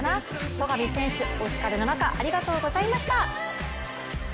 戸上選手、お疲れの中ありがとうございました。